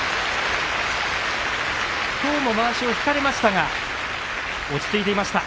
きょうもまわしを引かれましたが落ち着いていました。